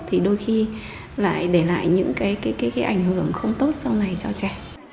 thì đôi khi lại để lại những cái ảnh hưởng không tốt sau này cho trẻ